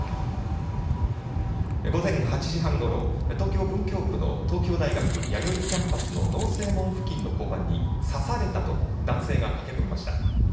午前８時半ごろ東京・文京区の東京大学弥生キャンパスの農正門付近で刺されたと男性が駆け込みました。